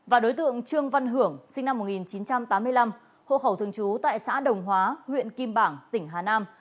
và đối tượng trương văn hưởng sinh năm một nghìn chín trăm tám mươi năm hộ khẩu thường trú tại xã đồng hóa huyện kim bảng tỉnh hà nam